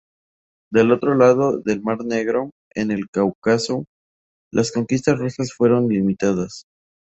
Del otro lado del mar Negro, en el Cáucaso, las conquistas rusas fueron limitadas.